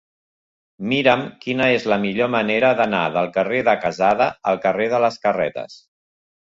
Mira'm quina és la millor manera d'anar del carrer de Quesada al carrer de les Carretes.